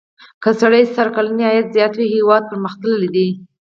که سړي سر کلنی عاید زیات وي هېواد پرمختللی دی.